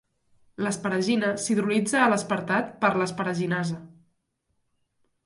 L'asparagina s'hidrolitza a l'aspartat per l'asparaginasa.